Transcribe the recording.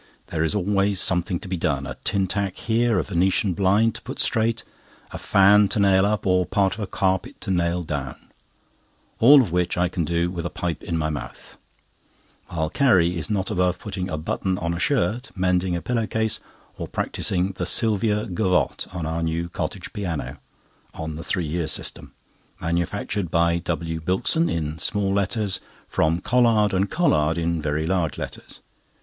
There is always something to be done: a tin tack here, a Venetian blind to put straight, a fan to nail up, or part of a carpet to nail down—all of which I can do with my pipe in my mouth; while Carrie is not above putting a button on a shirt, mending a pillow case, or practising the "Sylvia Gavotte" on our new cottage piano (on the three years' system), manufactured by W. Bilkson (in small letters), from Collard and Collard (in very large letters).